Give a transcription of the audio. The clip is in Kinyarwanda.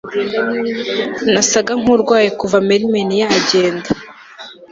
nasaga nkurwaye kuva mermen yagenda